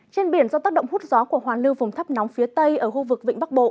trên biển do tác động hút gió của hoàn lưu vùng thấp nóng phía tây ở khu vực vịnh bắc bộ